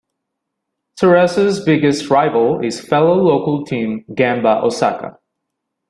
Cerezo's biggest rival is fellow local team Gamba Osaka.